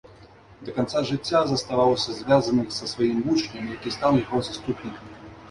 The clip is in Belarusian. Да канца жыцця заставаўся звязаных са сваім вучнем, які стаў яго заступнікам.